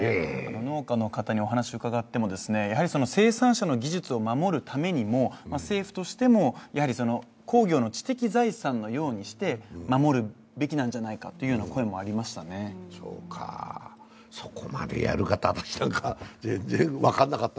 農家の方にお話を伺っても、生産者の技術を守るためにも、政府としても工業の知的財産のようにして守るべきなんじゃないかというそこまでやるかなんて